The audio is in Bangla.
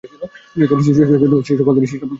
শীর্ষ গোলদাতা